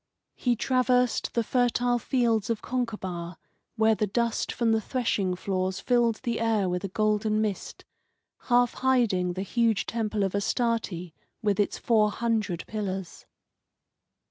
He traversed the fertile fields of Concabar, where the dust from the threshing floors filled the air with a golden mist, half hiding the huge temple of Astarte with its four hundred pillars.